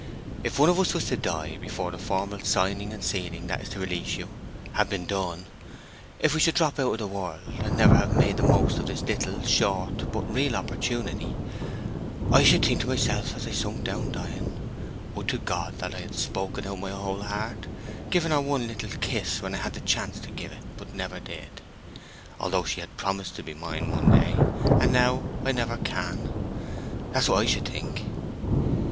If one of us were to die before the formal signing and sealing that is to release you have been done—if we should drop out of the world and never have made the most of this little, short, but real opportunity, I should think to myself as I sunk down dying, 'Would to my God that I had spoken out my whole heart—given her one poor little kiss when I had the chance to give it! But I never did, although she had promised to be mine some day; and now I never can.' That's what I should think."